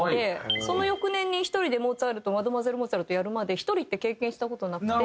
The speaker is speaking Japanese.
その翌年に１人で『モーツァルト』『マドモアゼルモーツァルト』やるまで１人って経験した事なくて。